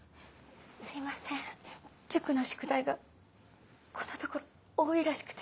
すいません塾の宿題がこのところ多いらしくて。